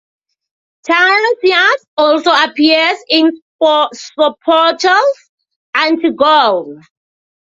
Tiresias also appears in Sophocles' "Antigone".